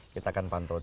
kita akan pantau terus